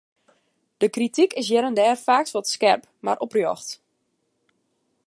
De krityk is hjir en dêr faaks wat skerp, mar oprjocht.